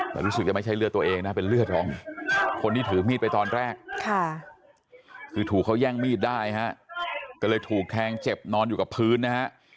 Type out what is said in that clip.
แต่รู้สึกจะไม่ใช่เลือดตัวเองนะเป็นเลือดของคนที่ถือมีดไปตอนแรกคือถูกเขาแย่งมีดได้ฮะก็เลยถูกแทงเจ็บนอนอยู่กับพื้นนะฮะ